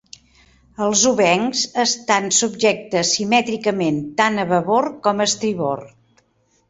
Els obencs estan subjectes simètricament tant a babord com a estribord.